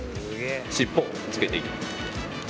尻尾をくっつけていきます。